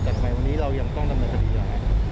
แต่ทำไมวันนี้เรายังต้องดำเนินคดีอย่างไร